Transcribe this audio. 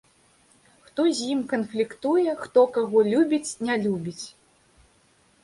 Хто з кім канфліктуе, хто каго любіць, не любіць.